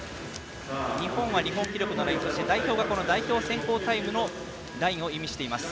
ラインは日本記録そして代表は、この選考タイムのラインを意味しています。